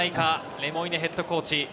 レモイネヘッドコーチ。